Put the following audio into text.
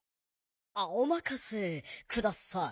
あおまかせください。